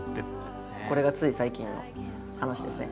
これがつい最近の話ですね。